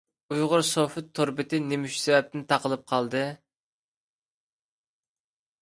ئۇيغۇرسوفت تور بېتى نېمە سەۋەبتىن تاقىلىپ قالدى؟